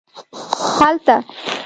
هلته